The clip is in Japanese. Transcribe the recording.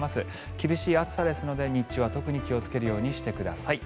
厳しい暑さですので日中は特に気をつけるようにしてください。